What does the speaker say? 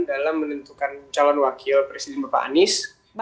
dalam menentukan calon wakil presiden bapak anies